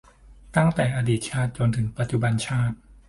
ตั้งแต่อดีตชาติจนถึงปัจจุบันชาติ